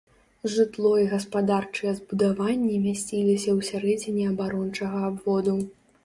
Жытло і гаспадарчыя збудаванні мясціліся ўсярэдзіне абарончага абводу.